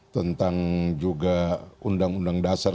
tentang juga undang undang dasar